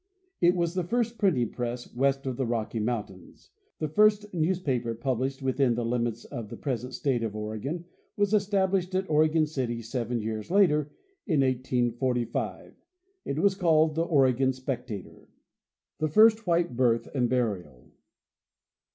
It was the first printing press west of the Rocky mountains. The first newspaper published within the lhmits of the present state of Oregon was established at Oregon City seven years later, in 1845. It was called the " Oregon Spectator." The first white Birth and Burial.